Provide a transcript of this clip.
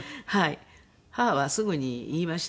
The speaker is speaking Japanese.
母はすぐに言いましたね。